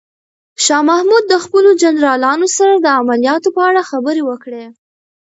شاه محمود د خپلو جنرالانو سره د عملیاتو په اړه خبرې وکړې.